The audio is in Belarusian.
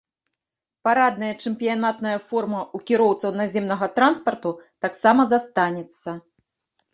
Парадная чэмпіянатная форма ў кіроўцаў наземнага транспарту таксама застанецца.